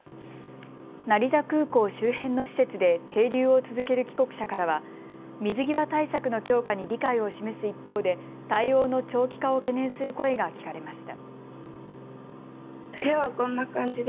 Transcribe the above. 成田空港周辺の施設で停留を続ける帰国者からは水際対策の強化に理解を示す一方で対応の長期化を懸念する声が聞かれました。